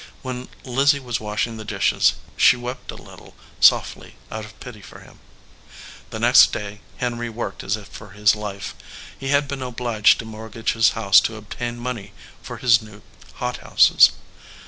When Lizzie was washing the dishes she wept a little, softly, out of pity for him. The next day Henry worked as if for his life. He had been obliged to mortgage his house to ob tain money for his new hothouses.